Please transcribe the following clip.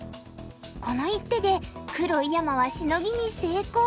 この一手で黒井山はシノギに成功。